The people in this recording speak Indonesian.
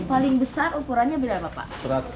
paling besar ukurannya berapa pak